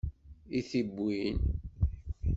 I tiwin?